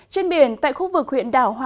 trên biển tại khu vực huyện đảo hoa